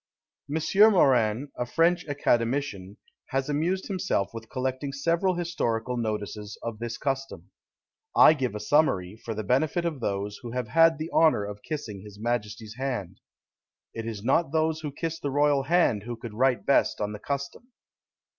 M. Morin, a French academician, has amused himself with collecting several historical notices of this custom. I give a summary, for the benefit of those who have had the honour of kissing his majesty's hand. It is not those who kiss the royal hand who could write best on the custom.